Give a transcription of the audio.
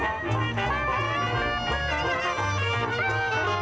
เพลงที่๑๐ทรงโปรด